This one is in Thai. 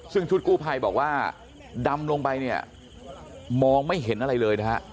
ซึ่งชุดกู้ภัยบอกว่าดำลงไปเนี่ยมองไม่เห็นอะไรเลยนะฮะ